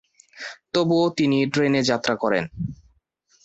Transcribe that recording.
তবুও তিনি ট্রেনে যাত্রা করেন।